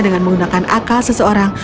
dengan menggunakan akal seseorang